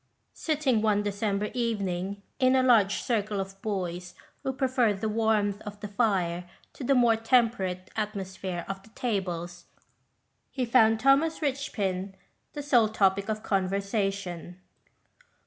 Sitting one December evening, in a large circle of boys 37 GhHOST TALES. who preferred the warmth of the fire to the more temperate atmosphere of the tables, he found Thomas Richpin the sole topic of conver sation.